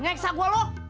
ngeksa gua lu